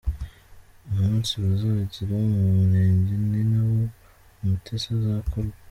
Umunsi bazagira mu Murenge ni na wo Umutesi azakobwa.